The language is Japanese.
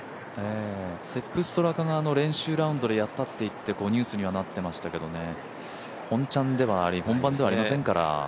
セップ・ストラカが練習はやったってニュースにはなってましたけど本番ではありませんから。